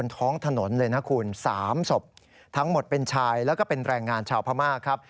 ของถนน๓ศพทั้งหมดเป็นชายแล้วก็เป็นแรงงานชาวพม่า